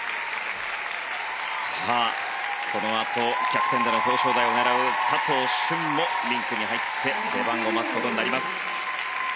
さあ、このあと逆転での表彰台を狙う佐藤駿もリンクに入って出番を待つことになります。